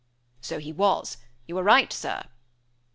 "So he was; you are right, Sir."